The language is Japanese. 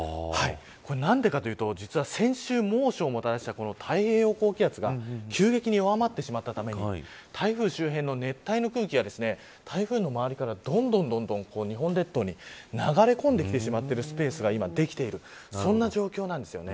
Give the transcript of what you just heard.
これ何でかというと実は先週、猛暑をもたらした太平洋高気圧が急激に弱まってしまったために台風周辺の熱帯の空気が台風の周りからどんどん日本列島に流れ込んできてしまっているスペースが今できているそんな状況なんです。